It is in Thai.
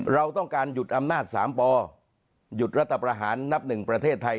เราต้องการหยุดอำนาจ๓ปหยุดรัฐประหารนับหนึ่งประเทศไทย